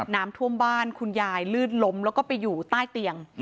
น้ำท่วมบ้านคุณยายลื่นล้มแล้วก็ไปอยู่ใต้เตียง